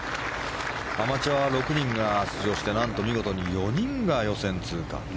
アマチュア６人が出場して何と、見事に４人が予選通過。